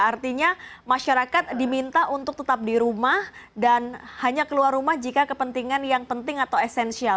artinya masyarakat diminta untuk tetap di rumah dan hanya keluar rumah jika kepentingan yang penting atau esensial